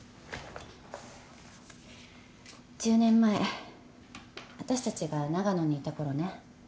１０年前あたしたちが長野にいたころね